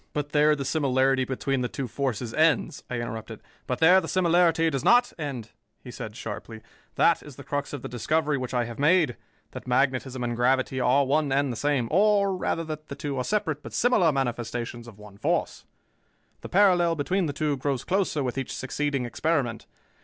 "But there the similarity between the two forces ends," I interrupted. "But there the similarity does not end," he said sharply. "That is the crux of the discovery which I have made: that magnetism and gravity are one and the same, or, rather, that the two are separate, but similar manifestations of one force. The parallel between the two grows closer with each succeeding experiment.